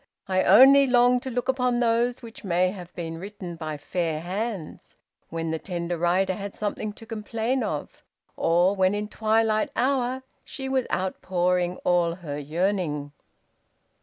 I only long to look upon those which may have been written by fair hands, when the tender writer had something to complain of, or when in twilight hour she was outpouring all her yearning!"